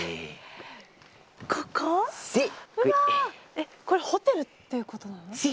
えっこれホテルっていうことなの？